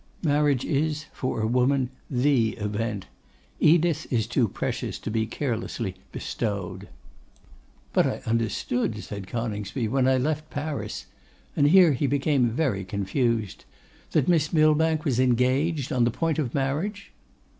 Marriage is for a woman the event. Edith is too precious to be carelessly bestowed.' 'But I understood,' said Coningsby, 'when I left Paris,' and here, he became very confused, 'that Miss Millbank was engaged, on the point of marriage.